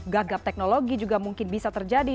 gagap teknologi juga mungkin bisa terjadi